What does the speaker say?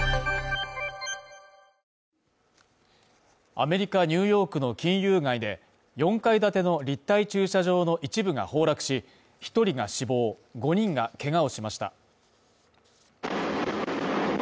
アメリカニューヨークの金融街で、４階建ての立体駐車場の一部が崩落し、１人が死亡、５人がけがをしました。